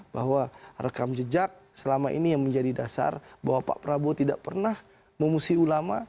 bahwa rekam jejak selama ini yang menjadi dasar bahwa pak prabowo tidak pernah memusih ulama